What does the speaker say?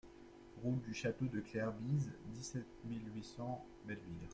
Route du Chateau de Clerbise, dix-sept mille huit cents Belluire